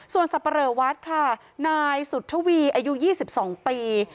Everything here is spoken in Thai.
ส่วนสับปะเหลอวัดค่ะนายสุธวีอายุ๒๒ปี